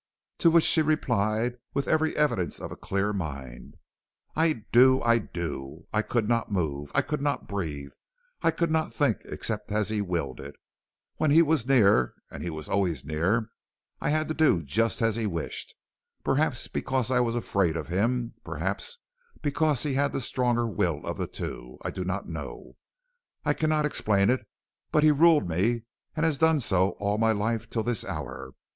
"To which she replied with every evidence of a clear mind "'I do; I do. I could not move, I could not breathe, I could not think except as he willed it. When he was near, and he was always near, I had to do just as he wished perhaps because I was afraid of him, perhaps because he had the stronger will of the two, I do not know; I cannot explain it, but he ruled me and has done so all my life till this hour.